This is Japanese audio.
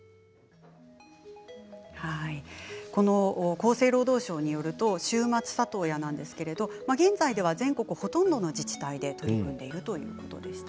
厚生労働省によりますと週末里親ですけれど、現在では全国ほとんどの自治体で取り組んでいるということでした。